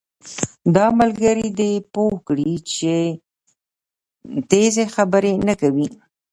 دا ملګری دې پوهه کړه چې تېزي خبرې نه کوي